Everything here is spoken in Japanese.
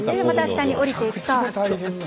また下に下りていくと。